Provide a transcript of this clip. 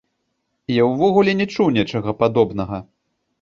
І я ўвогуле не чуў нечага падобнага.